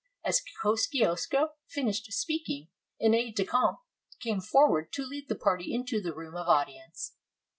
As Kosciusko finished speaking, an aide de camp came forward to lead the party into the room of audience.